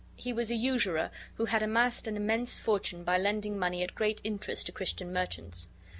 He was a usurer who had amassed an immense fortune by lending money at great interest to Christian merchants.